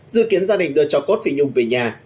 dự kiến gia đình đưa cho cốt phi nhung về nhà